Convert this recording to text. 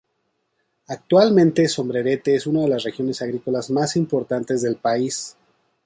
Actualmente Sombrerete es una de las regiones agrícolas más importantes del país.